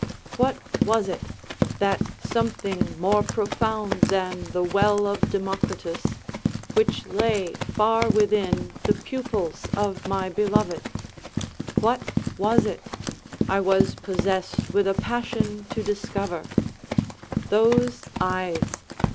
What was it—that something more profound than the well of Democritus—which lay far within the pupils of my beloved? What was it? I was possessed with a passion to discover. Those eyes!